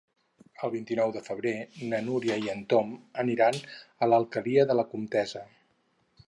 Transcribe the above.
El vint-i-nou de febrer na Núria i en Tom aniran a l'Alqueria de la Comtessa.